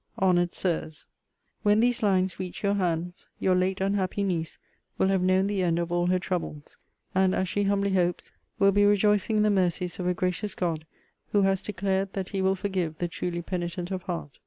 HONOURED SIRS, When these lines reach your hands, your late unhappy niece will have known the end of all her troubles; and, as she humbly hopes, will be rejoicing in the mercies of a gracious God, who has declared, that he will forgive the truly penitent of heart.